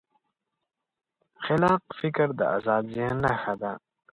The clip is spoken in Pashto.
خلاق فکر د ازاد ذهن نښه ده.